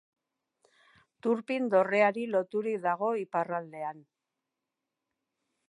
Turpin dorreari loturik dago iparraldean.